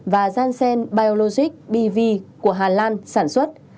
và janssen biologic bv của hà lan sản xuất